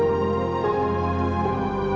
sekarang mah pake dia itu